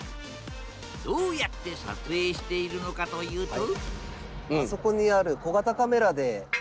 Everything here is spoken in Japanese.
どうやって撮影しているのかというとあ！